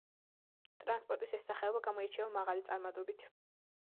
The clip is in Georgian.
ტრანსპორტის ეს სახეობა გამოირჩევა მაღალი წარმადობით.